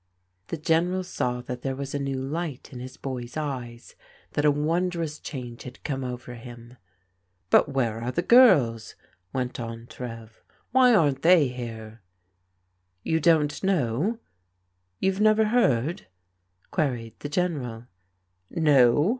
The General saw that there was a new light in his boy's eyes, that a wondrous change had come over him. " But where are the girls ?" went on Trev. " Why aren't they here ?"" You don't know? You've never heard? " queried the General, " No.